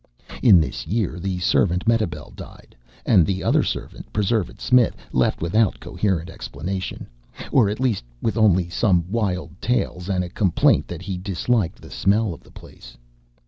In this year the servant Mehitabel died, and the other servant, Preserved Smith, left without coherent explanation or at least, with only some wild tales and a complaint that he disliked the smell of the place.